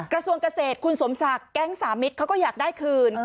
กระทรวงเกษตรคุณสมศักดิ์แก๊งสามิตรเขาก็อยากได้คืน